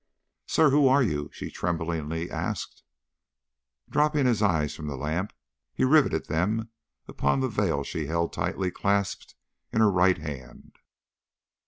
"Sir, who are you?" she tremblingly asked. Dropping his eyes from the lamp, he riveted them upon the veil she held tightly clasped in her right hand.